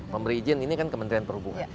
pemberi izin ini kan kementerian perhubungan